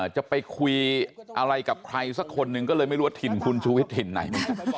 จะไปคุยอะไรกับใครสักคนหนึ่งก็เลยไม่รู้ว่าถิ่นคุณชูวิทยถิ่นไหน